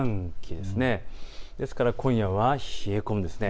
ですから今夜は冷え込むんです。